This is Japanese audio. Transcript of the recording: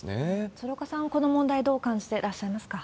鶴岡さん、この問題どう感じてらっしゃいますか？